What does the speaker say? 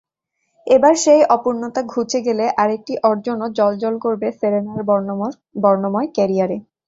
এবার সেই অপূর্ণতা ঘুচে গেলে আরেকটি অর্জনও জ্বলজ্বল করবে সেরেনার বর্ণময় ক্যারিয়ারে।